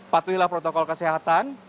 patuhilah protokol kesehatan